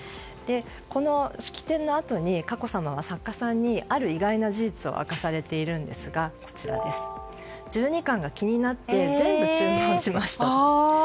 この式典のあとに佳子さまは作家さんに、ある意外な事実を明かされているんですが１２巻が気になって全部注文しました。